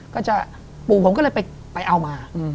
ก็จะปู่ผมก็เลยไปเอามา